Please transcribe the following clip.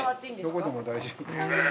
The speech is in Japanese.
どこでも大丈夫。